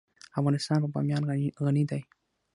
افغانستان په بامیان غني دی.